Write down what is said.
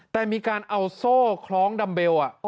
แต่มีการเอาโซ่คล้องดัมเบล